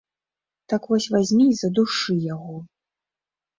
Так вось вазьмі і задушы яго.